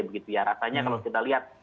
begitu ya rasanya kalau kita lihat